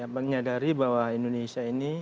menyadari bahwa indonesia ini